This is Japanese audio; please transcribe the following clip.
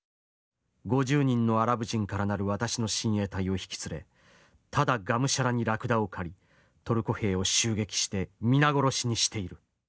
５０人のアラブ人から成る私の親衛隊を引き連れただがむしゃらにラクダを駆りトルコ兵を襲撃して皆殺しにしている。